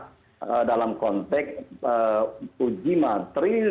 ketentukan memaksa dalam konteks uji materi